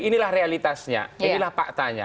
inilah realitasnya inilah faktanya